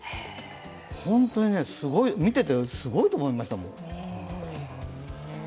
本当に見ててすごいと思いましたもん。